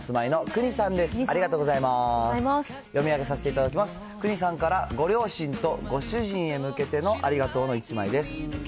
くにさんからご両親とご主人へ向けてのありがとうの１枚です。